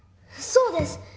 そうです！